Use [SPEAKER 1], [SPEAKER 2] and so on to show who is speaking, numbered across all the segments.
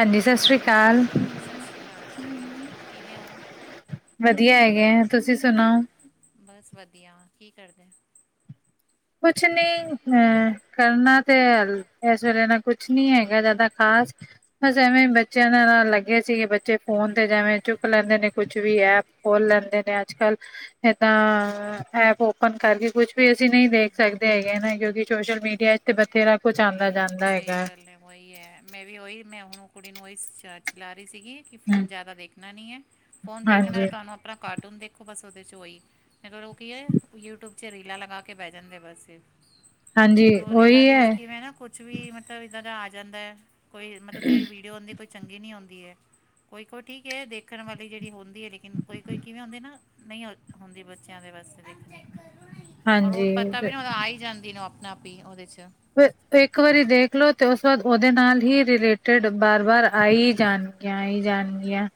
[SPEAKER 1] ਹਾਂਜੀ ਸਤਿ ਸ਼੍ਰੀ ਅਕਾਲ।
[SPEAKER 2] ਸਤਿ ਸ਼੍ਰੀ ਅਕਾਲ ਜੀ ਕਿਵੇਂ ਹੋ
[SPEAKER 1] ਵਧੀਆ ਹੈਗੇ ਆ ਤੁਸੀਂ ਸੁਣਾਓ
[SPEAKER 2] ਬਸ ਵਧੀਆ। ਕੀ ਕਰਦੇ
[SPEAKER 1] ਕੁਛ ਨੀ ਅਹ ਕਰਨਾ ਤੇ ਇਸ ਵੇਲੇ ਨਾ ਕੁਛ ਨੀ ਹੈਗਾ ਜ਼ਿਆਦਾ ਖਾਸ। ਬਸ ਐਵੇਂ ਬੱਚਿਆਂ ਦੇ ਨਾਲ ਲੱਗੇ ਸੀ ਬੱਚੇ ਫੋਨ ਤੇ ਜਿਵੇਂ ਚੁੱਕ ਲੈਂਦੇ ਨੇ ਕੁਛ ਵੀ ਐਪ ਖੋਲ ਲੈਂਦੇ ਨੇ ਅੱਜ ਕੱਲ ਐਦਾਂ ਐਪ ਓਪਨ ਕਰਕੇ ਕੁਛ ਵੀ ਅਸੀਂ ਨਹੀਂ ਦੇਖ ਸਕਦੇ ਹੈਗੇ ਨਾ ਕਿਉਂਕਿ ਸੋਸ਼ਲ ਮੀਡੀਆ ਤੇ ਬਥੇਰਾ ਕੁਛ
[SPEAKER 2] ਨਹੀਂ
[SPEAKER 1] ਆਉਂਦਾ
[SPEAKER 2] ਨਹੀਂ
[SPEAKER 1] ਜਾਂਦਾ
[SPEAKER 2] ਸਹੀ
[SPEAKER 1] ਹੈਗਾ।
[SPEAKER 2] ਗੱਲ ਹੈ ਉਹੀ ਹੈ ਮੈਂ ਵੀ ਉਹੀ ਮੈਂ ਹੁਣ ਉਹ ਕੁੜੀ ਨੂੰ ਇਸ ਚਾਰਜ ਲੱਗਾ ਰਹੀ ਸੀਗੀ। ਕਿ
[SPEAKER 1] ਹਮ,
[SPEAKER 2] ਫ਼ੋਨ ਜ਼ਿਆਦਾ ਦੇਖਣਾ ਨਹੀਂ ਹੈ ਫੋਨ ਦੇਖਣਾ
[SPEAKER 1] ਹਾਂਜੀ
[SPEAKER 2] ਤੁਹਾਨੂੰ ਆਪਣਾ ਕਾਰਟੂਨ ਦੇਖੋ ਬਸ ਉਹਦੇ ਚ ਓਹੀ। ਇਹਨਾ ਨੂੰ ਕੀ ਹੈ ਯੂਟਿਊਬ 'ਚ ਰੀਲਾਂ ਲੱਗਾ ਕੇ ਬੈਜਾਣਦੇ ਬਸ। ਉਹ
[SPEAKER 1] ਹਾਂਜੀ
[SPEAKER 2] ਫਿਰ ਉਹ ਰੀਲਾ
[SPEAKER 1] ਉਹੀ
[SPEAKER 2] ਦੇ
[SPEAKER 1] ਹੈ
[SPEAKER 2] ਵਿੱਚ ਕਿਵੇਂ ਨਾ ਕੁਛ ਵੀ ਮਤਲਬ ਏਦਾਂ ਦਾ ਆ ਜਾਂਦਾ ਹੈ ਕੋਈ ਮਤਲਬ ਜਿਹੜੀ ਵੀਡੀਓ ਆਂਦੀ ਕੋਈ ਚੰਗੀ ਨੀ ਆਉਂਦੀ ਹੈ। ਕੋਈ- ਕੋਈ ਠੀਕ ਹੈ ਦੇਖਣ ਵਾਲੀ ਜਿਹੜੀ ਹੁੰਦੀ ਹੈ ਲੇਕਿਨ ਕੋਈ -ਕੋਈ ਕਿਵੇਂ ਹੁੰਦੇ ਨਾ ਨਹੀਂ ਹੁੰਦੀ ਬੱਚਿਆਂ ਦੇ ਵਾਸਤੇ ਦੇਖਣੀ। ਔਰ ਓ ਪਤਾ ਵੀ
[SPEAKER 1] ਹਾਂਜੀ
[SPEAKER 2] ਨਾ ਓਦੋ ਆ ਈ ਜਾਂਦੀ ਨਾ ਓ ਆਪਨੇ ਆਪ ਈ ਓਦੇ ਚ
[SPEAKER 1] ਇੱਕ ਵਾਰੀ ਦੇਖਲੋ ਤੇ ੳਸ ਤੋਂ ਬਾਅਦ ਉਹਦੇ ਨਾਲ ਹੀ ਰਿਲੇਟਿਡ ਬਾਰ ਬਾਰ ਆਈ ਜਾਨ ਗਿਆ ਈ ਜਾਨਗੀਆਂ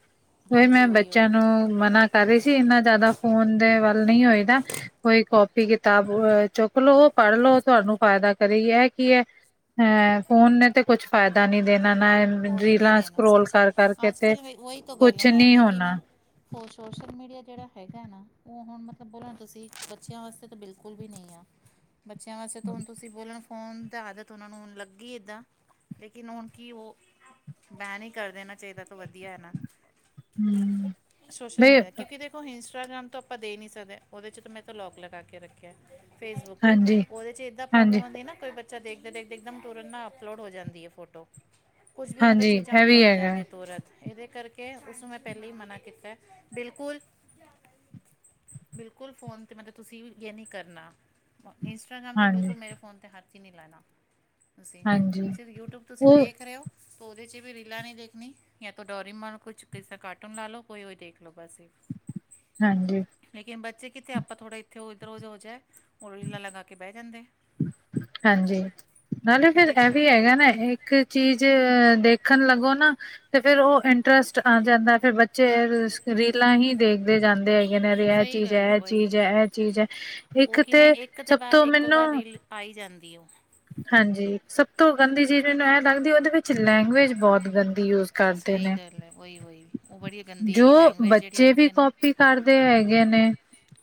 [SPEAKER 1] ਓਈ
[SPEAKER 2] ਹਾਂਜੀ
[SPEAKER 1] ਮੈਂ
[SPEAKER 2] ਉਹੀ
[SPEAKER 1] ਬੱਚੇਆਂ
[SPEAKER 2] ਉਹੀ
[SPEAKER 1] ਨੂੰ ਮਨਾ ਕਰ ਰਈ ਸੀ, ਏਨਾ ਜ਼ਾਅਦਾ ਫੋਨ ਦੇ ਵੱਲ ਨਈਂ ਹੋਈਦਾ। ਕੋਈ ਕਾਪੀ ਕਿਤਾਬ ਅ ਚੁੱਕ ਲਵੋ ਪੜ੍ਹ ਲੋ ਤੁਹਾਨੂੰ ਫਾਇਦਾ ਕਰਹੀ ਯੈ ਕਿ ਏ, ਹੈਂ ਫੋਨ ਨੇ ਤੇ ਕੁਛ ਫਾਏਦਾ ਨੀ ਦੇਣਾ ਨਾ
[SPEAKER 2] ਕੋਈ ਨਹੀਂ
[SPEAKER 1] ਰੀਲਾਂ
[SPEAKER 2] ਦੇਣਾ
[SPEAKER 1] ਸਕਰੋਲ
[SPEAKER 2] ਸੱਚੀ
[SPEAKER 1] ਕਰ ਕਰਕੇ
[SPEAKER 2] ਅੱਜ
[SPEAKER 1] ਤੇ
[SPEAKER 2] ਕੱਲ੍ਹ
[SPEAKER 1] ਕੁਛ ਨੀ ਹੋਣਾ।
[SPEAKER 2] ਓ ਸ਼ੋਸ਼ਲ ਮੀਡੀਆ ਜੇੜਾ ਹੈਗਾ ਐ ਨਾ ਓ ਹੁਨ ਮਤਲਬ ਬੋਲਨਾ ਤੁਸੀਂ ਬੱਚੇਆਂ ਵਾਸਤੇ ਤਾਂ ਬਿਲਕੁਲ ਵੀ ਨਈਂ ਆ।
[SPEAKER 1] [inaudible]
[SPEAKER 2] ਬੱਚੇਆਂ ਵਾਸਤੇ ਤਾਂ ਹੁਨ ਤੁਸੀਂ ਬੋਲਨ ਫੋਨ ਦਾ ਆਦਤ ਉਨਾਂ ਨੂੰ ਲੱਗੀ ਐਦਾਂ, ਲੇਕਿਨ ਹੁਣ ਕੀ ਓ ਬੈਨ ਈ ਕਰ ਦੇਣਾ ਚਾਈਦਾ, ਤੋਂ ਵਦੀਆਂ ਏ ਨਾ
[SPEAKER 1] ਹੂੰ
[SPEAKER 2] ਸੋਸ਼ਲ
[SPEAKER 1] ਬਈ
[SPEAKER 2] ਮੀਡੀਆ ਕੀ ਕਿਦੇ ਪੋ ਇੰਸਟਾਗ੍ਰਾਮ ਤਾਂ ਆਪਾਂ ਦੇ ਨਈ ਸਕਦੇ, ਉਹਦੇ ਚ ਤੇ ਮੈਂ ਤਾਂ ਲੌਕ ਲਗਾ ਕੇ ਰੱਖੇਆ। ਫੇਸਬੁੱਕ ਤੇ,
[SPEAKER 1] ਹਾਂਜੀ।
[SPEAKER 2] ਉਹਦੇ ਚੇ ਏਦਾਂ ਪ੍ਰੋਬਲਮ ਆਂਦੀ ਹੈਨਾ? ਕੋਈ ਬੱਚਾ ਦੇਖਦੇ-ਦੇਖਦੇ ਇੱਕਦਮ ਤੁਰਨ ਨਾਲ ਅਪਲੋਡ ਹੋ ਜਾਂਦੀ ਏ ਫੋਟੋ ਕੁਛ ਵੀ ਮਤਲਬ
[SPEAKER 1] ਹਾਂਜੀ-ਹਾਂਜੀ
[SPEAKER 2] ਚੀਜ਼ਾਂ
[SPEAKER 1] ਇਹ ਵੀ
[SPEAKER 2] ਅਪਲੋਡ ਹੋ
[SPEAKER 1] ਹੈਗਾ
[SPEAKER 2] ਜਾਂਦੀਆਂ ਤੁਰਤ। ਇਹਦੇ ਕਰਕੇ, ਉਸਨੂੰ ਮੈਂ ਪੈਲੇ ਮਨਾ ਕੀਤਾ, ਬਿਲਕੁਲ ਬਿਲਕੁਲ ਫੋਨ ਤੇ ਮਤਲਬ ਤੁਸੀਂ ਵੀ ਯੇ ਨੀ ਕਰਨਾ ਇੰਸ ਇੰਸਟਾਗ੍ਰਾਮ ਤੋਂ ਬਿਲਕੁਲ ਮੇਰੇ ਫੋਨ ਤੇ ਹੱਥ ਈ ਨੀ ਲਾਣਾ, ਤੁਸੀਂ,
[SPEAKER 1] ਹਾਂਜੀ-ਹਾਂਜੀ
[SPEAKER 2] ਸਿਰਫ ਯੂਟਿਊਬ ਤੁਸੀਂ
[SPEAKER 1] ਉਹ
[SPEAKER 2] ਦੇਖ ਰਹੇ ਓ ਉਹਦੇ 'ਚ ਵੀ ਰੀਲਾਂ ਨਹੀਂ ਦੇਖਨੀ ਯਾ ਤੋਂ ਡੋਰੀਮੋਨ ਕੁਛ ਕਿਸ ਕਾਰਟੂਨ ਲਾ ਲਓ ਕੋਈ ਉਹੀ ਦੇਖ ਲੋ ਬਸ।
[SPEAKER 1] ਹਾਂਜੀ।
[SPEAKER 2] ਲੇਕਿਨ ਬੱਚੇ ਕਿੱਥੇ ਆਪਾਂ ਥੋੜਾ ਇਥੇ ਓਧਰ ਹੋ ਜਾਏ ਉਹ ਰੀਲਾ ਲਗਾ ਕੇ ਬਹਿ ਜਾਂਦੇ।
[SPEAKER 1] ਹਾਂਜੀ, ਨਾਲੇ ਫੇਰ
[SPEAKER 2] ਇਹਦੇ
[SPEAKER 1] ਐਵੀ
[SPEAKER 2] ਕਰਕੇ
[SPEAKER 1] ਹੈਗਾ ਨਾ ਏਹ ਕ ਚੀਜ਼ ਦੇਖਣ ਲੱਗੋ ਨਾ, ਤੇ ਫੇਰ ਉਹ ਇੰਟਰਸਟ ਆ ਜਾਂਦਾ ਫਿਰ ਬ ਚੇਅਰ ਰੀਲਾਂ ਹੀ ਦੇਖਦੇ ਜਾਂਦੇ ਹੈ [unintelligible] ਇਹਨਾਂ ਦੇ ਐ
[SPEAKER 2] ਸਹੀ
[SPEAKER 1] ਚੀਜ਼-
[SPEAKER 2] ਗੱਲ ਹੈ
[SPEAKER 1] ਐ ਚੀਜ਼-
[SPEAKER 2] ਉਹੀ
[SPEAKER 1] ਐ ਚੀਜ਼ ਏ, ਇੱਕ ਤੇ ਸਭ ਤੋਂ ਮੈਨੂੰ
[SPEAKER 2] ਪਾਈ ਜਾਂਦੀ ਉਹ।
[SPEAKER 1] ਹਾਂਜੀ, ਸਭ ਤੋਂ ਗੰਦੀ ਚੀਜ਼ ਮੈਨੂੰ ਐਂ ਲੱਗਦੀ, ਉਹਦੇ ਵਿੱਚ ਲੈਂਗੁਏਜ ਬਹਤ ਗੰਦੀ ਯੂਜ ਕਰਦੇ
[SPEAKER 2] ਸਹੀ
[SPEAKER 1] ਨੇ,
[SPEAKER 2] ਗੱਲ ਹੈ ਉਹੀ ਉਹੀ ਉਹ ਬੜੀ ਗੰਦੀ
[SPEAKER 1] ਜੋ
[SPEAKER 2] ਹੈਗੀ ਲੈਂਗੁਏਜ ਜਿਹੜੀ
[SPEAKER 1] ਬੱਚੇ ਵੀ
[SPEAKER 2] ਆਉਂਦੀ ਹੈ ਨਾ
[SPEAKER 1] ਕਾਪੀ ਕਰਦੇ ਹੈਗੇ ਨੇ।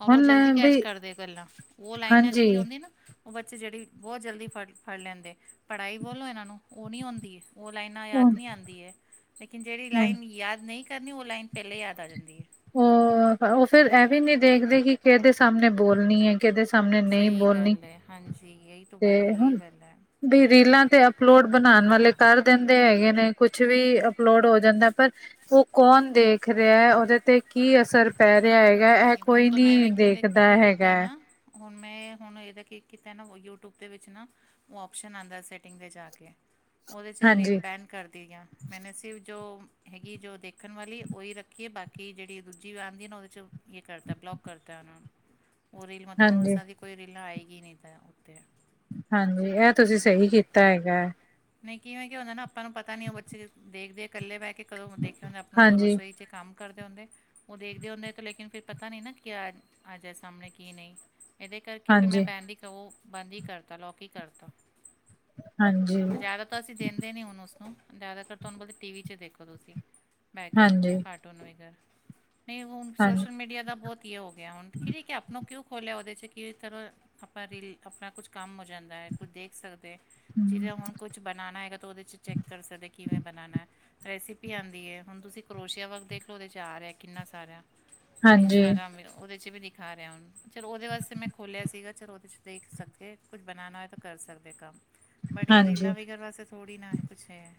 [SPEAKER 2] ਔਰ ਉਹ
[SPEAKER 1] ਹੁਣ
[SPEAKER 2] ਜਲਦੀ ਕੈਚ
[SPEAKER 1] ਵੀ
[SPEAKER 2] ਕਰਦੇ ਗੱਲਾਂ ਉਹ ਲਾਈਨਾਂ
[SPEAKER 1] ਹਾਂਜੀ,
[SPEAKER 2] ਜੇਹੜੀਆਂ ਹੋਂਦੀ ਏਨਾ ਓ ਬੱਚੇ ਜੇੜੀ ਬੋਤ ਜਲਦੀ ਫੜ-ਫੜ ਲੈਂਦੇ ਪੜਾਈ ਬੋਲੋ ਏਨਾਂ ਨੂੰ ਓ ਨੀ ਔਂਦੀ ਏ। ਉਹ ਲਾਈਨਾਂ ਯਾਦ ਨੀ
[SPEAKER 1] ਹੁਣ-ਹੁਣ
[SPEAKER 2] ਆਂਦੀ ਏ। ਲੇਕਿਨ ਜੇਹੜੀ ਲਾਈਨ ਯਾਦ ਨਈ ਕਰਨੀ ਉਹ ਲਾਈਨ ਪੇਹਲੇ ਯਾਦ ਆ ਜਾਂਦੀ ਏ।
[SPEAKER 1] ਉਹ ਉਹ ਫੇਰ ਇਹ ਵੀ ਨਹੀਂ ਦੇਖਦੇ ਕਿ ਕੇਹਦੇ ਸਾਹਮਨੇ ਬੋਲਨੀ ਏ। ਕਿਦੇ ਸਾਹਮਣੇ ਨਈ
[SPEAKER 2] ਸਹੀ
[SPEAKER 1] ਬੋਲਣੀ,
[SPEAKER 2] ਗੱਲ ਹੈ ਹਾਂਜੀ ਯਹੀ ਤੋਂ
[SPEAKER 1] ਤੇ
[SPEAKER 2] ਵਧੀਆ ਯਹੀ
[SPEAKER 1] ਹੁਣ
[SPEAKER 2] ਗੱਲ ਹੈ
[SPEAKER 1] ਬੀ ਰੀਲਾਂ ਤੇ ਅਪਲੋਡ ਬਣਾਣ ਵਾਲੇ ਕਰ ਦੇਂਦੇ ਹੈਗੇ ਨੇ, ਕੁਛ ਵੀ ਅਪਲੋਡ ਹੋ ਜਾਂਦਾ ਪਰ ਓ ਕੌਣ ਦੇਖ ਰਿਹਾ, ਉਹਦੇ ਤੇ ਕੀ ਅਸਰ ਪੈ ਰੇਹਾ ਹੈਗਾ ਇਹ
[SPEAKER 2] ਨਹੀਂ ਹੁਣ
[SPEAKER 1] ਕੋਈ
[SPEAKER 2] ਤੋਂ ਮੈਂ
[SPEAKER 1] ਨੀ
[SPEAKER 2] ਮੈਂ ਕਿਨੇ
[SPEAKER 1] ਦੇਖਦਾ
[SPEAKER 2] ਕੀ ਕੀਤਾ
[SPEAKER 1] ਹੈਗਾ।
[SPEAKER 2] ਨਾ ਹੁਣ ਮੈਂ ਹੁਣ ਏਹਦਾ ਕੀ ਕੀਤੇ ਨਾ ਯੂ ਟੂਬ ਦੇ ਵਿੱਚ ਨਾ ਉਹ ਆਪਸ਼ਨ ਆਂਦਾ ਸੈਟਿੰਗ ਤੇ ਜਾ ਕੇ ਉਹਦੇ 'ਚ
[SPEAKER 1] ਹਾਂਜੀ
[SPEAKER 2] ਰੀਲ ਬੈਨ ਕਰਦੀ ਆ। ਮੈਨੇ ਸਿਰਫ਼ ਜੋ ਹੈਗੀ ਜੋ ਦੇਖਣ ਵਾਲੀ ਓਈ ਰੱਖੀ ਏ ਬਾਕੀ ਜੇੜੀ ਦੂਜੀ ਵੀ ਆਂਦੀ ਨਾ ਓਦੇ ਚ ਇਹ ਕਰਤਾ ਬਲੋਕ ਕਰਤਾ ਉਹਨਾਂ ਨੂੰ, ਉਹ ਰੀਲ ਮਤਲਬ ਉਹ
[SPEAKER 1] ਹਾਂਜੀ
[SPEAKER 2] ਸਾਰੀ ਕੋਈ ਰੀਲਾਂ ਆਏਗੀ ਈ ਨਈਂ ਤਾਂ ਓਤੇ
[SPEAKER 1] ਹਾਂਜੀ ਇਹ ਤੁਸੀਂ ਸਹੀ ਕੀਤਾ ਹੈਗਾ।
[SPEAKER 2] ਨਈ ਕਿਵੇਂ ਕੀ ਹੁੰਦਾ ਨਾ ਆਪਾਂ ਨੂੰ ਪਤਾ ਨੀ ਉਹ ਬੱਚੇ ਦੇਖਦੇ ਏ ਕੱਲੇ ਬੈਹ ਕੇ ਕਦੋਂ ਦੇਖੇ ਹੁੰਦੇ ਆਪਣੇ ਉੱਥੋਂ
[SPEAKER 1] ਹਾਂਜੀ
[SPEAKER 2] ਰਸੋਈ ਚ ਕੰਮ ਕਰਦੇ ਹੁੰਦੇ, ਉਹ ਦੇਖਦੇ ਹੁੰਦੇ ਤੇ ਲੇਕਿਨ ਫੇਰ ਪਤਾ ਨਹੀਂ ਨਾ ਕਿਆ ਆ ਜਾਏ ਸਾਹਮਣੇ ਕੀ ਨਹੀਂ ਇਹਦੇ ਕਰਕੇ ਫੇਰ ਮੈਂ
[SPEAKER 1] ਹਾਂਜੀ
[SPEAKER 2] ਬੈਨਦੀ ਕੳ ਬੰਦ ਈ ਕਰਤਾ, ਲੋਕ ਈ ਕਰਤਾ
[SPEAKER 1] ਹਾਂਜੀ
[SPEAKER 2] ਜਾਦਾ ਤਾਂ ਅਸੀਂ ਦੇਂਦੇ ਨਈ ਹੁਣ ਉਸਨੂੰ ਜ਼ਾਦਾਤਰ ਤੁਆਨੂੰ ਬਲ ਟੀ ਵੀ ਚ ਦੇਖੋ ਤੁਸੀਂ, ਮੈਂ ਕੇਹਾ
[SPEAKER 1] ਹਾਂਜੀ
[SPEAKER 2] ਹ ਘੱਟ ਕੋਈ ਨਵੀਂ ਗੱਲ, ਨਹੀਂ ਕੋਮ ਸੋਸ਼
[SPEAKER 1] ਹਾਂਜੀ
[SPEAKER 2] ਮੀਡੀਆ ਦਾ ਬਹੁਤ ਹੀ ਐ ਹੋ ਗਿਆ ਹੁਣ, ਕਿਹੜੀ ਕੈਪ ਨੂੰ ਕਿਉਂ ਖੋਲਿਆ ਉਹਦੇ ਚ ਕੀ ਤਰ੍ਹਾਂ ਆਪਾਂ ਰੀਲ ਆਪਣਾ ਕੁਛ ਕੰਮ ਹੋ ਜਾਂਦਾ ਐ, ਕੁਝ ਦੇਖ ਸਕਦੇ। ਜਿਹਦੇ ਹੁਣ ਕੁਛ ਬਣਾਣਾ ਹੈਗਾ ਤਾਂ ਉਹਦੇ ਚ ਚੈੱਕ ਕਰ ਸਕਦੇ ਕਿਵੇਂ ਬਣਾਣਾ। ਰੈਸਿਪੀ ਆਂਦੀ ਏ, ਹੁਣ ਤੁਸੀਂ ਕਰੋਸ਼ੀਆ ਵਰਕ ਵੱਲ ਦੇਖ ਲਓ ਉਹਦੇ 'ਚ ਆ ਰਿਹਾ ਕਿੰਨਾ ਸਾਰਾ।
[SPEAKER 1] ਹਾਂਜੀ
[SPEAKER 2] ਇੰਸਟਾਗ੍ਰਾਮ ਵੀ ਏ, ਉਹਦੇ ਚ ਵੀ ਦੇ ਦਿਖਾ ਰਿਹਾ ਹੁਣ, ਚਲ ਉਹਦੇ ਵਾਸਤੇ ਮੈਂ ਖੋਲਿਆ ਸੀਗਾ ਚਲ ਉਹਦੇ 'ਚ ਦੇਖ ਸਕਦੇ ਕੁਝ ਬਣਾਣਾ ਹੋਇਆ ਤਾਂ ਕਰ ਸਕਦੇ ਕੰਮ। ਬਟ ਇਹ
[SPEAKER 1] ਹਾਂਜੀ
[SPEAKER 2] ਰੀਲਾ ਵੇਖਣ ਵਾਸਤੇ ਥੋੜ੍ਹੀ ਨਾ ਕੁਛ ਹੈ।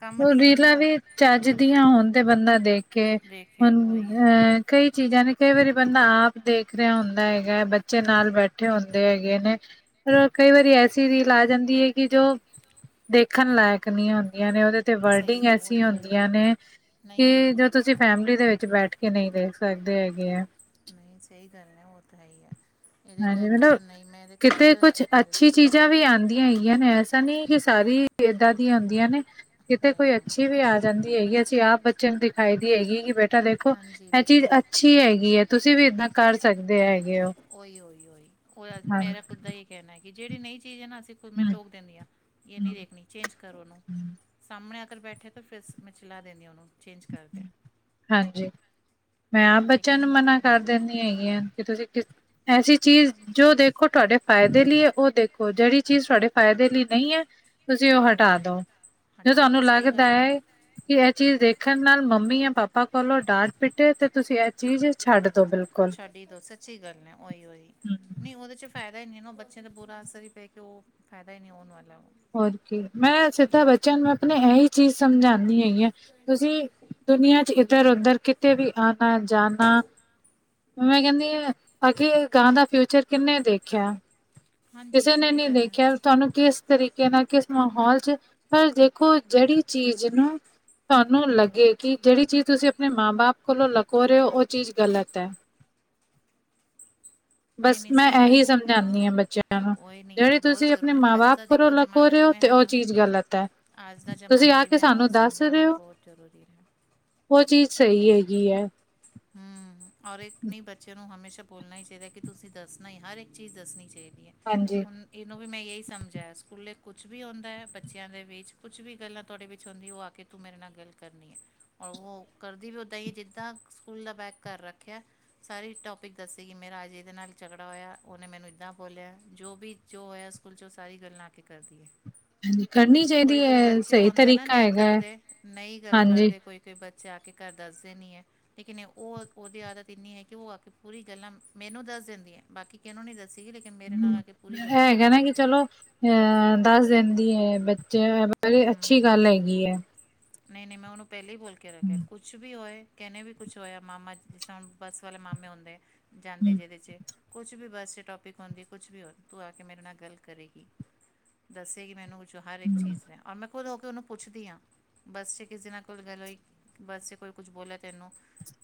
[SPEAKER 2] ਕੰਮ
[SPEAKER 1] ਉਹ
[SPEAKER 2] ਦੀ ਨਹੀਂ ਨਾ
[SPEAKER 1] ਰੀਲਾਂ
[SPEAKER 2] ਉਹ
[SPEAKER 1] ਵੀ ਚੱਜਦੀਆਂ ਹੋਣ ਤੇ ਬੰਦਾ ਦੇਖੇ
[SPEAKER 2] ਦੇਖੇ
[SPEAKER 1] ਹੁਣ
[SPEAKER 2] ਉਹੀ ਹੋਈ
[SPEAKER 1] ਅਹ ਕਈ ਚੀਜ਼ਾਂ ਨੇ ਕਈ ਵਾਰੀ ਬੰਦਾ ਆਪ ਦੇਖ ਰਿਹਾ ਹੁੰਦਾ ਹੈਗਾ ਹੈ ਬੱ ਬੱਚੇ ਨਾਲ ਬੈਠੇ ਹੁੰਦੇ ਹੈਗੇ ਨੇ ਪਰ ਕਈ ਵਾਰੀ ਐਸੀ ਰੀਲ ਆ ਜਾਂਦੀ ਏ ਕਿ ਜੋ ਦੇਖਣ ਲਾਇਕ ਨਹੀਂ ਹੁੰਦੀਆਂ ਨੇ ਉਹਦੇ ਤੇ
[SPEAKER 2] ਸਹੀ
[SPEAKER 1] ਵਰਡਿੰਗ
[SPEAKER 2] ਨਹੀਂ
[SPEAKER 1] ਐਸੀ
[SPEAKER 2] ਉਹੀ ਉਹੀ
[SPEAKER 1] ਹੁੰਦੀਆਂ ਨੇ
[SPEAKER 2] ਨਹੀਂ
[SPEAKER 1] ਕਿ ਜ
[SPEAKER 2] ਹੁੰਦੀ
[SPEAKER 1] ਤ ਤੁਸੀ ਫੈਮਲੀ ਦੇ ਵਿੱਚ ਬੈਠ ਕੇ ਨਈ ਦੇਖ ਸਕਦੇ ਹੈਗੇ ਐ।
[SPEAKER 2] ਨਈ ਸਹੀ ਗੱਲ ਐ, ਓ ਤਾਂ ਹੈ ਈ ਐ।
[SPEAKER 1] ਹਾਂ ਜਿਵੇਂ ਨਾ ਕਿਤੇ ਕੁਛ
[SPEAKER 2] ਇਹਦੇ
[SPEAKER 1] ਅੱਛੀ
[SPEAKER 2] ਚਲੋ
[SPEAKER 1] ਚੀਜਾਂ ਵੀ ਆਂਦੀਆਂ ਹੈਗੀਆਂ ਨੇ ਐਸਾ ਨੀ ਕਿ ਸਾਰੀ ਏਦਾਂ
[SPEAKER 2] ਨਹੀਂ
[SPEAKER 1] ਦੀਆਂ ਹੁੰਦੀਆਂ ਨੇ ਕਿਤੇ
[SPEAKER 2] ਨਹੀਂ
[SPEAKER 1] ਕੋਈ
[SPEAKER 2] ਨਹੀਂ
[SPEAKER 1] ਅੱਛੀ ਵੀ ਆ ਜਾਂਦੀ ਹੈਗੀ। ਅਸੀ ਆਪ ਬੱਚੇਆਂ ਨੂੰ ਦਿਖਾਈ ਦੀ ਹੈਗੀ ਕਿ ਬੇਟਾ ਦੇਖੋ
[SPEAKER 2] ਹਾਂਜੀ
[SPEAKER 1] ਐ ਚੀਜ
[SPEAKER 2] ਦੇਖੋ
[SPEAKER 1] ਅੱਛੀ ਹੈਗੀ ਐ ਤੁਸੀ ਵੀ ਏਦਾਂ ਕਰ ਸਕਦੇ ਹੈਗੇ ਓ।
[SPEAKER 2] ਓਈ ਓਈ ਓਈ। ਓਦਾ ਮੇਰਾ ਖੁਦ ਦਾ ਈ ਕੈਣਾ ਐ ਕਿ ਜੇੜੀ ਨਈ ਚੀਜ ਐ ਨਾ ਅਸੀ ਮੈਂ ਟੋਕ ਦੇਨੀ ਆਂ। ਏ
[SPEAKER 1] ਹਮ
[SPEAKER 2] ਨੀ ਦੇੇਖਣੀ ਚੇਂਜ ਕਰ ਓਨੂੰ।
[SPEAKER 1] ਹਮ
[SPEAKER 2] ਸਾਮਣੇ ਆ ਕਰ ਬੈਠੇ ਤਾਂ ਫੇਰ ਮੈਂ ਚਲਾ ਦੇਨੀ ਆ ਓਨੂੰ। ਚੇਂਜ ਕਰ
[SPEAKER 1] ਹਾਂਜੀ। ਮੈਂ ਆਪ
[SPEAKER 2] ਐਵੇਂ
[SPEAKER 1] ਬੱਚੇਆਂ ਨੂੰ
[SPEAKER 2] ਲੇਕਿਨ
[SPEAKER 1] ਮਨਾ
[SPEAKER 2] ਫਿਰ
[SPEAKER 1] ਕਰ ਦੇਨੀ ਹੈਗੀ ਆਂ ਕਿ ਤੁਸੀ ਕਿਸ ਐਸੀ ਚੀਜ਼ ਜੋ ਦੇਖੋ ਤੁਹਾਡੇ ਫਾਏਦੇ ਲਈ ਐ ਓ ਦੇਖੋ, ਜੇੜੀ ਚੀਜ਼ ਤੁਹਾਡੇ ਫਾਏਦੇ ਲਈ ਨਈ ਐ ਤੁਸੀ ਓ
[SPEAKER 2] ਓਈ
[SPEAKER 1] ਹਟਾ
[SPEAKER 2] ਓਈ
[SPEAKER 1] ਦੋ। ਜੇ
[SPEAKER 2] ਹਟਾ ਦੋ
[SPEAKER 1] ਤੁਹਾਨੂੰ
[SPEAKER 2] ਸਹੀ
[SPEAKER 1] ਲੱਗਦਾ
[SPEAKER 2] ਗੱਲ ਹੈ
[SPEAKER 1] ਏ ਕਿ ਏ ਚੀਜ਼ ਦੇਖ ਦੇਖਣ ਨਾਲ ਮੰਮੀ ਜਾਂ ਪਾਪਾ ਕੋਲੋਂ ਡਾਂਟ ਪਿੱਟੇ ਤੇ ਤੁਸੀ ਐ ਚੀਜ਼ ਛੱਡ ਦੋ ਬਿਲਕੁਲ।
[SPEAKER 2] ਤੋ ਸੱਚੀ ਗੱਲ ਨੇ। ਓਈ ਓਈ। ਨਈ ਓਦੇ ਚ ਫੈਦਾ ਈ ਨੀ ਨਾ ਬੱਚੇਆਂ ਦਾ ਬੁਰਾ ਅਸਰ ਈ ਪੇ ਕਿ ਓ ਫੈਦਾ ਈ ਨੀ ਹੋਨ ਵਾਲਾ।
[SPEAKER 1] ਹੋਰ ਕੀ। ਮੈਂ ਸਿੱਧਾ ਬੱਚੇਆਂ ਨੂੰ ਅਪਣੇ ਐਈ ਚੀਜ ਸਮਝਾਨੀ ਹੈਗੀ ਆਂ ਤੁਸੀ ਦੁਨੀਆਂ ਚ ਏਧਰ-ਓਧਰ ਕਿਤੇ ਵੀ ਆਨਾ-ਜਾਨਾ ਮੈਂ ਕੈਨੀ ਆ ਅੱਗੇ ਗਾਂ ਦਾ ਫਿਊਚਰ ਕਿਨੇਂ ਦੇਖੇਆ?
[SPEAKER 2] ਹਾਂਜੀ
[SPEAKER 1] ਕਿਸੇ ਨੇ
[SPEAKER 2] ਸਹੀ
[SPEAKER 1] ਨੀ
[SPEAKER 2] ਗੱਲ ਹੈ।
[SPEAKER 1] ਦੇਖਿਆ। ਤੁਹਾਨੂੰ ਕਿਸ ਤਰੀਕੇ ਨਾਲ, ਕਿਸ ਮਾਹੌਲ ਚ, ਪਰ ਦੇਖੋ ਜੇੜੀ ਚੀਜ ਨੂੰ ਤੁਹਾਨੂੰ ਲੱਗੇ ਕਿ ਜੇੜੀ ਚੀਜ ਤੁਸੀ ਅਪਣੇ ਮਾਂ ਬਾਪ ਕੋਲੋਂ ਲਕੋ ਰੇ ਓ ਔ ਚੀਜ ਗਲਤ ਐ।
[SPEAKER 2] ਨਹੀਂ
[SPEAKER 1] ਬਸ
[SPEAKER 2] ਨਹੀਂ
[SPEAKER 1] ਮੈਂ
[SPEAKER 2] ਸਹੀ
[SPEAKER 1] ਐਹੀ
[SPEAKER 2] ਗੱਲ ਹੈ
[SPEAKER 1] ਸਮਝਾਨੀ ਆਂ
[SPEAKER 2] ਹਾਂ
[SPEAKER 1] ਬੱਚੇਆਂ
[SPEAKER 2] ਉਹੀ ਨਹੀਂ ਇਹ
[SPEAKER 1] ਜੇੜੀ
[SPEAKER 2] ਤਾਂ ਬਹੁਤ
[SPEAKER 1] ਤੁਸੀ ਅਪਣੇ
[SPEAKER 2] ਜ਼ਰੂਰੀ
[SPEAKER 1] ਮਾਂ
[SPEAKER 2] ਹੈ। ਅੱਜ
[SPEAKER 1] ਬਾਪ
[SPEAKER 2] ਦਾ
[SPEAKER 1] ਕੋਲ਼ੋਂ
[SPEAKER 2] ਦੇਖੋ
[SPEAKER 1] ਲਕੋ ਰੇ ਓ ਤੇ ਔ ਚੀਜ ਗਲਤ ਐ।
[SPEAKER 2] ਅੱਜ਼ ਦਾ ਜਮਾਨਾ ਜਿਵੇਂ ਨਾ ਓਤ ਸਮਝਾਨਾ ਬੋਤ ਜਰੂਰੀ ਐ।
[SPEAKER 1] ਓ ਚੀਜ ਸਹੀ ਹੈਗੀ ਐ।
[SPEAKER 2] ਹੂੰ। ਔਰ ਇੱਕ ਨੀ ਬੱਚੇ ਨੂੰ ਹਮੇਸ਼ਾ ਬੋਲਨਾ ਈ ਚਾਹੀਦਾ ਕਿ ਤੁਸੀ ਦੱਸਣਾ ਈ ਹਰ ਏਕ ਚੀਜ਼ ਦੱਸਣੀ ਚਾਹੀ ਦੀ ਐ
[SPEAKER 1] ਹਾਂਜੀ
[SPEAKER 2] ਹੁਨ ਏਨੂੰ ਵੀ ਮੈਂ ਯੇਈ ਸਮਝਾਆ ਸਕੂਲੇ ਕੁਛ ਵੀ ਹੋਂਦਾ ਐ, ਬੱਚੇਆਂ ਦੇ ਵਿੱਚ ਕੁਛ ਵੀ ਗੱਲਾਂ ਤੁਹਾਡੇ ਵਿੱਚ ਹੁੰਦੀ ਓ ਆ ਕੇ ਤੂੰ ਮੇਰੇ ਨਾਲ ਗੱਲ ਕਰਨੀ ਐ, ਔਰ ਓ ਕਰਦੀ ਵੀ ਓਦਾਂ ਈ ਜਿਦਾਂ ਸਕੂਲ ਦਾ ਬੈਗ ਘਰ ਰੱਖੇਆ ਸਾਰੀ ਟੋਪਿਕ ਦੱਸੇਗੀ ਮੇਰਾ ਅੱਜ ਏਦੇ ਨਾਲ ਝਗੜਾ ਹੋਏਆ, ਓਨੇ ਮੈਨੂੰ ਏਦਾਂ ਬੋਲਿਆ, ਜੋ ਵੀ ਜੋ ਹੋਏਆ ਸਕੂਲ ਚ ਸਾਰੀ ਗੱਲਾਂ ਆ ਕੇ ਕਰਦੀ ਏ।
[SPEAKER 1] ਹਾਂਜੀ ਕਰਨੀ ਚਾਹੀਦੀ
[SPEAKER 2] ਕੋਈ ਕੋਈ
[SPEAKER 1] ਹੈ
[SPEAKER 2] ਬੱਚੇ
[SPEAKER 1] ਸਹੀ
[SPEAKER 2] ਹੋਂਦੇ ਨਾ
[SPEAKER 1] ਤਰੀਕਾ
[SPEAKER 2] ਨਈ ਗਲ
[SPEAKER 1] ਹੈਗਾ ਹੈ
[SPEAKER 2] ਕਰਦੇ, ਨਈ ਗੱਲ
[SPEAKER 1] ਹਾਂਜੀ
[SPEAKER 2] ਕਰਦੇ ਕੋਈ ਕੋਈ ਬੱ ਚੇ ਆ ਕੇ ਘਰ ਦੱਸਦੇ ਨੀ ਐ। ਲੇਕਿਨ ਓ ਓਦੀ ਆਦਤ ਇੰਨੀ ਐ ਕਿ ਓ ਆ ਕੇ ਪੂਰੀ ਗੱਲਾਂ ਮੈਨੂੰ ਦੱਸ ਦੇਂਦੀ ਏ, ਬਾਕੀ ਕਿਨੂੰ ਨੀ ਦੱਸ ਸੀ। ਲੇਕਿਨ ਮੇਰੇ ਨਾਲ ਆ ਕੇ ਪੂਰੀ ਗੱਲਾਂ ਕਰ ਦੇਂਦੀ ਐ।
[SPEAKER 1] ਅ ਦੱਸ ਦੇਂਦੀ ਏ। ਬੱਚੇ ਬ ਅੱਛੀ ਗੱਲ ਹੈਗੀ ਐ।
[SPEAKER 2] ਨਈ ਨਈ ਮੈਂ ਓਨੂੰ ਪੈਲੇ ਈ ਬੋਲ ਕੇ ਰੱਖੇਆ ਐ।
[SPEAKER 1] ਹਮ,
[SPEAKER 2] ਕੁਛ ਕੁਛ ਵੀ ਹੋਏ ਕੈਨੇ ਵੀ ਕੁਛ ਹੋਏਆ, ਮਾਮਾ ਜਿਸਰਾਂ ਹੁਨ ਬੱਸ ਵਾਲੇ ਮਾਮੇ ਹੁੰਦੇ ਐ। ਜਾਂਦੇ
[SPEAKER 1] ਹਮ,
[SPEAKER 2] ਜਿਦੇ ਚ। ਕੁਛ ਵੀ ਬੱਸ ਟੋਪ ਪਿਕ ਹੋਂਦੀ ਕੁਛ ਵੀ ਹੋਏ ਤੂੰ ਆ ਕੇ ਮੇਰੇ ਨਾਲ ਗੱਲ ਕਰੇਗੀ। ਦੱਸੇਗੀ ਮੈਨੂੰ। ਜੋ ਹਰ ਏਕ
[SPEAKER 1] ਹਮ,
[SPEAKER 2] ਚੀਜ਼ ਨੇ। ਔਰ ਮੈਂ ਖੁਦ ਹੋ ਕੇ ਓਨੂੰ ਪੁੱਛਦੀ ਆਂ ਬਸ ਚ ਕਿਸੇ ਨਾਲ ਕੋਲ ਗੱਲ ਹੋਈ? ਬਸ ਚ ਕੋਈ ਕੁਛ ਬੋਲੇਆ ਤੈਨੂੰ?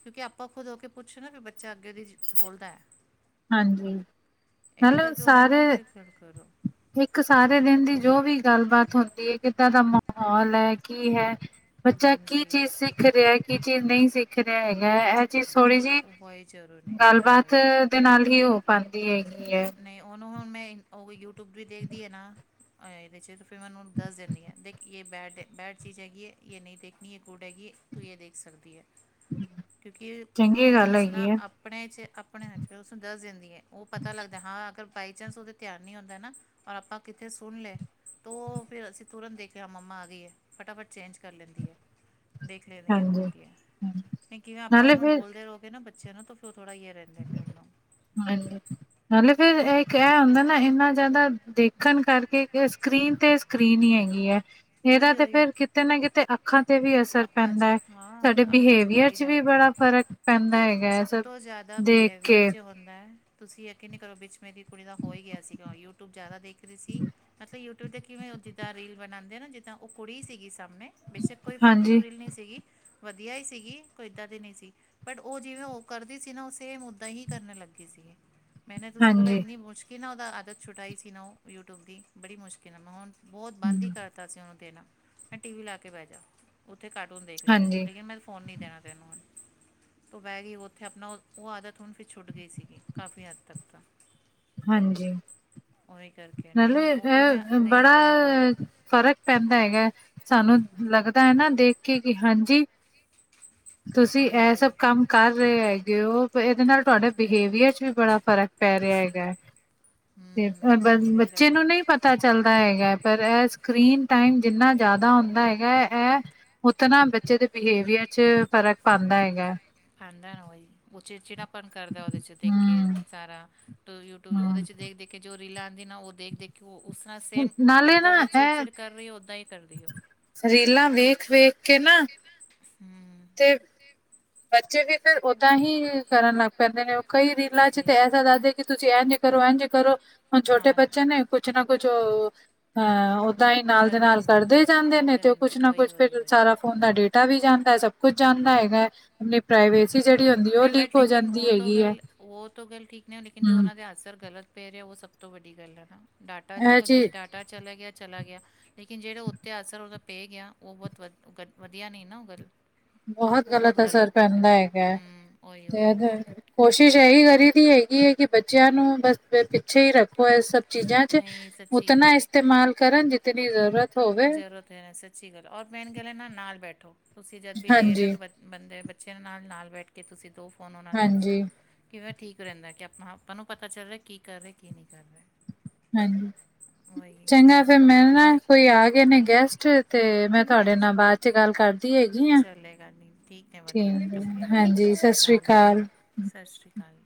[SPEAKER 2] ਕਿਉਂਕਿ ਆਪਾਂ ਖੁਦ ਹੋ ਕੇ ਪੁੱਛ ਨਾ ਫਿਰ ਬੱਚਾ ਅੱਗੇ ਦੀ ਬੋਲਦਾ ਐ।
[SPEAKER 1] ਹਾਂਜੀ, ਮਤਲਬ
[SPEAKER 2] ਕਰਕੇ ਉਹਨਾਂ
[SPEAKER 1] ਸਾਰੇ
[SPEAKER 2] ਨਾਲ ਫਿਕਰ ਕਰੋ
[SPEAKER 1] ਇੱਕ ਸਾਰੇ ਦਿਨ ਦੀ ਜੋ ਵੀ ਗੱਲਬਾਤ ਹੁੰਦੀ ਹੈ, ਕਿੱਦਾਂ ਦਾ ਮਾਹੌਲ ਹੈ ਕੀ ਹੈ? ਬੱਚਾ ਕੀ
[SPEAKER 2] ਹਾਂਜੀ
[SPEAKER 1] ਚੀਜ਼ ਸਿਖ ਰਿਹਾ ਕੀ ਚੀਜ਼ ਨਹੀਂ ਸਿੱਖ ਰਿਹਾ ਹੈਗਾ ਇਹ ਜੀ ਥੋੜ੍ਹੀ ਜਿ
[SPEAKER 2] ਉਹ ਹੀ ਜ਼ਰੂਰ ਨੇ ਓਏ ਓਏ
[SPEAKER 1] ਗੱਲਬਾਤ ਦੇ ਨਾਲ ਹੀ ਹੋ ਪਾਂਦੀ ਹੈਗੀ ਹੈ।
[SPEAKER 2] ਨਹੀਂ, ਉਹਨੂੰ ਹੁਣ ਮੈਂ ਉਹ ਵੀ ਯੂਟਿਊਬ ਵੀ ਦੇਖਦੀ ਹੈਨਾ ਇਹਦੇ 'ਚ ਤਾਂ ਫਿਰ ਮੈਂ ਉਹਨੂੰ ਦੱਸ ਦਿੰਦੀ ਹਾਂ ਦੇਖ ਇਹ ਬੈਡ-ਬੈਡ ਚੀਜ਼ ਹੈਗੀ ਹੈ ਇਹ ਨਹੀਂ ਦੇਖਣੀ ਇਹ ਗੂਡ ਹੈਗੀ ਹੈ। ਤੂੰ ਇਹ ਦੇਖ ਸਕਦੀ ਹੈ। ਕਿਉਂਕਿ ਉਹਨਾਂ
[SPEAKER 1] ਚੰਗੀ
[SPEAKER 2] ਨੂੰ
[SPEAKER 1] ਗੱਲ
[SPEAKER 2] ਦੱਸਣਾ
[SPEAKER 1] ਹੈਗੀ ਹੈ
[SPEAKER 2] ਆਪਣੇ ਚ ਆਪਣੇ ਹਥ ਚ ਉ ਦੱਸ ਦਿੰਦੀ ਹੈ ਉਹ ਪਤ ਪਤਾ ਲੱਗਦਾ ਹਾਂ ਅਗਰ ਬਾਈ ਚਾਂਸ ਉਦੇ ਧਿਆਨ ਨਹੀਂ ਹੁੰਦਾ ਨਾ ਔਰ ਆਪਾਂ ਕਿੱਥੇ ਸੁਣ ਲਿਆ। ਤੋ ਉਹ ਫਿਰ ਅਸੀਂ ਤੁਰੰਤ ਦੇਖਿਆ, ਹਾਂ ਮੰਮਾ ਆ ਗਈ ਹੈ ਫਟਾਫਟ ਚੇਂਜ ਕਰ ਲੈਂਦੀ ਹੈ। ਦੇਖ ਲੈਂਦੀਹੋ,
[SPEAKER 1] ਹਾਂਜੀ
[SPEAKER 2] ਜਾਂਦੀ ਹੈ ਨਹੀਂ ਕਿਵੇਂ ਆਪਾਂ
[SPEAKER 1] ਨਾਲੇ
[SPEAKER 2] ਉਹਨਾਂ ਨੂੰ
[SPEAKER 1] ਫਿਰ
[SPEAKER 2] ਬੋਲਦੇ ਰਹੋਗੇ ਨਾ ਬੱਚਿਆਂ ਨੂੰ ਫਿਰ ਥੋੜ੍ਹਾ ਹੀ ਰਹਿ, ਲੇਕੇ ਉਹਨੂੰ
[SPEAKER 1] ਹਾਂਜੀ। ਨਾਲੇ ਫਿਰ ਏ ਇਕ ਇਹ ਹੁੰਦਾ ਨਾ ਇੰਨਾ ਜ਼ਿਆਦਾ ਦੇਖਣ ਕਰਕੇ ਸਕਰੀਨ ਤੇ ਸਕਰੀਨ ਹੀ ਹੈਗੀ ਹੈ, ਇਹਦਾ
[SPEAKER 2] ਉਹੀ
[SPEAKER 1] ਤੇ
[SPEAKER 2] ਉਹੀ
[SPEAKER 1] ਫੇਰ ਕਿਤੇ ਨਾ ਕਿਤੇ- ਅੱਖਾਂ ਤੇ ਵੀ ਅਸਰ
[SPEAKER 2] ਅੱਖਾਂ
[SPEAKER 1] ਪੈਂਦਾ
[SPEAKER 2] 'ਚ
[SPEAKER 1] ਹੈ,
[SPEAKER 2] ਹਾਂ
[SPEAKER 1] ਸਾਡੇ
[SPEAKER 2] ਅੱਖਾਂ ਪੈ
[SPEAKER 1] ਬਿਹੇਵੀਅਰ
[SPEAKER 2] ਹੀ
[SPEAKER 1] ਚ ਵੀ
[SPEAKER 2] ਜਾਂਦਾ
[SPEAKER 1] ਬੜਾ ਫ਼ਰਕ ਪੈਂਦਾ ਹੈ।
[SPEAKER 2] ਸਭ ਤੋਂ ਜ਼ਿਆਦਾ
[SPEAKER 1] ਦੇਖ
[SPEAKER 2] ਬਿਹੇਵੀਅਰ
[SPEAKER 1] ਕੇ
[SPEAKER 2] ਚ ਹੁੰਦਾ ਹੈ ਤੁਸੀਂ ਯਕੀਨ ਨਹੀਂ ਕਰੋ ਵਿੱਚ ਮੇਰੀ ਕੁੜੀ ਦਾ ਹੋ ਹੀ ਗਿਆ ਸੀਗਾ, ਯੂਟਿਊਬ ਜ਼ਿਆਦਾ ਦੇਖ ਰਹੀ ਸੀ ਮਤਲਬ ਯੂ ਦਾਂ ਕਿਵੇਂ ਉਹ ਜਿੱਦਾਂ ਰੀਲ ਬਣਾਉਂਦੇ ਆ ਨਾ ਜਿੱਦਾਂ ਉਹ ਕੁੜੀ ਸੀਗੀ ਸਾਹਮਣੇ ਬੇਸ਼ੱਕ ਕੋਈ
[SPEAKER 1] ਹਾਂਜੀ,
[SPEAKER 2] ਫਲਤੂ ਰੀਲ ਨਹੀਂ ਸੀਗੀ ਵਧੀਆ ਹੀ ਸੀਗੀ ਕੋਈ ਇੱਦਾਂ ਦੀ ਨੀ ਸੀ। ਉ ਜਿਵੇਂ ਉ ਕਰਦੀ ਸੀ ਨਾ ਸੇਮ ਉਦਾਂ ਹੀ ਕਰਨ ਲੱਗੀ ਸੀ ਮੈਨੇ ਤੁਸੀਂ ਬੋਲ
[SPEAKER 1] ਹਾਂਜੀ,
[SPEAKER 2] ਇੰਨੀ ਮੁਸ਼ਕ ਕਿੰਨਾ ਉਹਦਾ ਆਦਤ ਛੁਟਾਈ ਸੀ ਨਾ ਉ ਯੂਟਿਊਬ ਦੀ ਬੜੀ ਮੁਸ਼ਕਿਲ ਨਾਲ ਮੈਂ ਹੁਣ ਬਹੁਤ ਬੰਦ ਹੀ
[SPEAKER 1] ਹੂੰ,
[SPEAKER 2] ਕਰਤਾ ਸੀ ਉਹਨੂੰ ਦੇਣਾ ਮੈਂ ਟੀ ਵੀ ਲਾਕੇ ਬੈਜਾ। ਉੱਥੇ ਕਾਰਟੂਨ ਦੇਖ ਲੈ ਤੂੰ
[SPEAKER 1] ਹਾਂਜੀ,
[SPEAKER 2] ਲੇਕਿਨ ਮੈਂ ਫੋਨ ਨਹੀਂ ਦੇਣਾ ਤੈਨੂੰ ਹੁਣ। ਤੋਂ ਬੈ ਗਈ ਉੱਥੇ ਆਪਣਾ ਉਹ ਆਦਤ ਹੁਣ ਫਿਰ ਛੁੱਟ ਗਈ ਸੀਗੀ ਕਾਫੀ ਹੱਦ ਤੱਕ ਤਾਂ।
[SPEAKER 1] ਹਾਂਜੀ,
[SPEAKER 2] ਉਹੀ ਕਰਕੇ ਨਹੀਂ ਨਹੀਂ
[SPEAKER 1] ਮਤਲਬ
[SPEAKER 2] ਉਹ ਕਿਵੇਂ
[SPEAKER 1] ਅ
[SPEAKER 2] ਨਹੀਂ ਹੈ
[SPEAKER 1] ਬੜਾ
[SPEAKER 2] ਬਰਾਬਰ
[SPEAKER 1] ਫ਼ਰਕ ਪੈਂਦਾ ਹੈਗਾ ਸਾਨੂੰ ਲੱਗਦਾ ਹੈਨਾ ਦੇਖ ਕੇ ਕਿ ਹਾਂਜੀ ਤੁਸੀਂ
[SPEAKER 2] ਉਹੀ
[SPEAKER 1] ਇਹ ਸਭ
[SPEAKER 2] ਉਹੀ
[SPEAKER 1] ਕੰਮ ਕਰ ਰਹੇ ਹੈਗੇ ਹੋ ਇਹਦੇ ਨਾਲ ਤੁਹਾਡੇ ਬਿਹੇਵੀਅਰ ਚ ਵੀ ਬੜਾ ਫ਼ਰਕ ਪੈ ਰਿਹਾ ਹੈਗਾ ਤੇ
[SPEAKER 2] ਹਮ ਨਹੀਂ ਨਹੀਂ ਸਹੀ
[SPEAKER 1] [unintelligible]
[SPEAKER 2] ਗੱਲ ਹੈ
[SPEAKER 1] ਨਹੀਂ ਪਤਾ ਚੱਲਦਾ ਹੈਗਾ ਪਰ ਏ ਸਕਰੀਨ ਟਾਈਮ ਜਿੰਨਾ ਜ਼ਿਆਦਾ ਹੁੰਦਾ ਹੈਗਾ ਏ ਉਥੇ ਨਾ ਬੱਚੇ ਦੇ ਬਿਹੇਵੀਅਰ ਚ ਫਰਕ ਪਉਦਾ ਹੈਗਾ।
[SPEAKER 2] ਖਾਂਦਾ ਨਾ ਉਹੀ, ਚਿੜ ਚਿੜਪਨ ਕਰਦਾ ਉਹਦੇ ਚ ਦੇਖ ਕੇ
[SPEAKER 1] ਹੂੰ,
[SPEAKER 2] ਸਾਰਾ। ਯੂਟਿਊਬ ਉਹਦੇ ਚ
[SPEAKER 1] ਹੂੰ
[SPEAKER 2] ਦੇਖ-ਦੇਖ ਕੇ ਜੋ ਰੀਲਾਂ ਆਂਦੀਆਂ ਨਾ ਉਹ ਦੇਖ-ਦੇਖ ਕੇ ਕਿ ਉਹ ਉਸਰ੍ਹਾਂ ਸੇਮ
[SPEAKER 1] ਨਾਲੇ
[SPEAKER 2] ਜਿੱਦਾਂ
[SPEAKER 1] ਨਾ
[SPEAKER 2] ਉਹ
[SPEAKER 1] ਇਹ
[SPEAKER 2] ਚਿੜ-ਚਿੜ ਕਰ ਰਹੀ ਉਦਾਂ ਹੀ ਕਰਦੀ ਔ।
[SPEAKER 1] ਰੀਲਾਂ ਵੇਖ-ਵੇਖ ਕੇ ਨਾ
[SPEAKER 2] ਹੂੰ।
[SPEAKER 1] ਤੇ ਬੱਚੇ ਵੀ ਫਿਰ ਓਦਾਂ ਹੀ ਕਰਨ ਲੱਗ ਪੈਂਦੇ ਨੇ, ਕਈ ਰੀਲਾਂ ਚ
[SPEAKER 2] ਸਹੀ
[SPEAKER 1] ਤਾਂ
[SPEAKER 2] ਗੱਲ
[SPEAKER 1] ਐਸਾ ਦੱਸਦੇ ਕਿ ਤੁਸੀਂ ਇਹਜ ਕਰੋ ਇਹਂਜ ਕਰੋਂ ਛਟੇ
[SPEAKER 2] ਹਾਂ
[SPEAKER 1] ਬੱਚੇ ਨੇ ਕੁਛ ਨਾ ਕੁਛ ਅ ਤਾਹੀ ਨਾਲ
[SPEAKER 2] ਕਰ
[SPEAKER 1] ਦੇ
[SPEAKER 2] ਹੀ
[SPEAKER 1] ਨਾਲ
[SPEAKER 2] ਲੈਂਦੇ
[SPEAKER 1] ਕਰਦੇ ਜਾਂਦੇ ਨੇ ਤੇ ਉਹ ਕੁਛ ਨਾ
[SPEAKER 2] ਉਹੀ
[SPEAKER 1] ਕੁੱਛ
[SPEAKER 2] ਉਹੀ
[SPEAKER 1] ਫੇਰ
[SPEAKER 2] ਉਹੀ
[SPEAKER 1] ਸਾਰਾ ਫੋਨ ਦਾ ਡੇਟਾ ਵੀ ਜਾਂਦਾ ਹੈ ਸਭ ਕੁਛ ਜਾਂਣਦਾ ਹੈਗਾ। ਪ੍ਰਾਈਵੇਸੀ ਜਿਹੜੀ ਹੁੰਦੀ ਉਹ
[SPEAKER 2] ਨਹੀਂ
[SPEAKER 1] ਲੀਕ
[SPEAKER 2] ਬਟ
[SPEAKER 1] ਹੋ
[SPEAKER 2] ਲੇਕਿਨ
[SPEAKER 1] ਜਾਂਦੀ
[SPEAKER 2] ਉਹ ਤੋਂ
[SPEAKER 1] ਹੈਗੀ ਹੈ
[SPEAKER 2] ਗੱਲ ਉਹ ਤੋਂ ਗੱਲ ਠੀਕ ਨੇ ਲੇਕਿਨ ਜੋ
[SPEAKER 1] ਹਮ
[SPEAKER 2] ਉਨਾਂ ਦੇ ਅਨਸਰ ਗਲਤ ਪੈ ਰਿਹਾ ਉਹ ਸਭ ਤੋਂ ਵੱਡੀ ਗੱਲ ਹੈ ਨਾ ਡਾਟਾ
[SPEAKER 1] ਇਹ
[SPEAKER 2] ਦੇਖੋ
[SPEAKER 1] ਚੀਜ਼
[SPEAKER 2] ਡਾਟਾ ਚਲਾ ਗਿਆ ਚਲਾ ਗਿਆ। ਲੇਕਿਨ ਜਿਹੜਾ ਉੱਤੇ ਅਸਰ ਉਹਦਾ ਪੈ ਗਿਆ ਉਹ ਬਹੁਤ ਵਧ- ਵਧੀਆ ਨਹੀਂ ਨਾ ਉਹ ਗੱਲ।
[SPEAKER 1] ਬਹੁਤ
[SPEAKER 2] ਉਹ
[SPEAKER 1] ਗ਼ਲਤ ਅਸਰ
[SPEAKER 2] ਗਲਤ
[SPEAKER 1] ਪੈਂਦਾ
[SPEAKER 2] ਨਾ
[SPEAKER 1] ਹੈਗਾ ਹੈ
[SPEAKER 2] ਹੂੰ ਉਹੀ ਉਹੀ
[SPEAKER 1] ਤੇ ਕੋਸ਼ਿਸ਼ ਏਹੀ ਕਰੀ ਦੀ ਹੈਗੀ ਹੈ ਕਿ, ਬੱਚੇਆਂ ਨੂੰ ਬਸ ਪਿੱਛੇ ਹੀ ਰੱਖ- ਓ ਏਹ ਸਭ ਚੀਜ਼ਾਂ ਚ,
[SPEAKER 2] ਨਹੀਂ ਸੱਚੀ
[SPEAKER 1] ਉਤਨਾ ਇਸਤੇਮਾਲ ਕਰਨ ਜਿਤਨੀ ਜ਼ਰੂਰਤ। ਹੋਵੇ
[SPEAKER 2] ਜ਼ਰੂਰਤ ਹੈ, ਸੱਚੀ ਗੱਲ, ਔਰ ਮੇਨ ਗਲ ਆ ਨਾਲ ਬੈਠੋ, ਤੁਸੀਂ ਜਦ ਵੀ ਦੇ ਰਹੇ
[SPEAKER 1] ਹਾਂਜੀ
[SPEAKER 2] ਹੋ ਬੇ ਬੰਦੇ ਬੱਚਿਆਂ ਨਾਲ- ਨਾਲ ਬੈਠ ਕੇ ਤੁਸੀਂ ਦੋ ਫੋਨ ਓਹਨਾਂ ਦੇ ਹੱਥ ਚ
[SPEAKER 1] ਹਾਂਜੀ
[SPEAKER 2] ਕੇਹੜਾ ਠੀਕ ਰੈਂਦਾ, ਕਿ ਆਪਾਂ -ਆਪਾਂ ਨੂੰ ਪਤਾ ਚੱਲ ਰੇਆ ਕੀ ਕਰ ਰਏ, ਕੀ ਨਈ ਕਰ ਰਏ।
[SPEAKER 1] ਹਾਂਜੀ ਚੰਗਾ ਫੇਰ
[SPEAKER 2] ਨਹੀਂ
[SPEAKER 1] ਮੈਂ ਨਾ
[SPEAKER 2] ਵੀਰੇ
[SPEAKER 1] ਕੋਈ ਆ ਗਏ ਨੇ ਗੈਸਟ ਤੇ-ਤੇ ਮੈਂ ਤੁਹਾਡੇ ਨਾਲ
[SPEAKER 2] ਹਾਂਜੀ
[SPEAKER 1] ਬਾਅਦ ਚ ਗੱਲ ਕਰਦੀ ਹੈਗੀ ਆ।
[SPEAKER 2] ਚੱਲੇਗਾ ਨਹੀਂ ਠੀਕ ਹੈ ਵਧੀਆ
[SPEAKER 1] ਕਿਵੇ ਫੇਰ,
[SPEAKER 2] ਓਕੇ
[SPEAKER 1] ਹਾਂਜੀ ਸਤਿ
[SPEAKER 2] ਸ਼੍ਰੀ
[SPEAKER 1] ਸ੍ਰੀ
[SPEAKER 2] ਜੀ
[SPEAKER 1] ਅਕਾਲ।
[SPEAKER 2] ਸਤਿ ਸ਼੍ਰੀ ਅਕਾਲ।